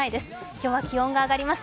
今日は気温が上がります。